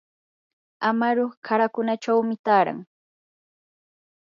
amaru qarakunachawmi taaran.